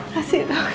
makasih ya dok